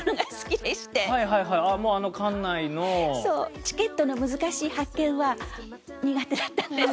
チケットの難しい発券は苦手だったんですけれども。